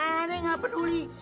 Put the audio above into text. aneh gak peduli